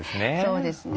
そうですね。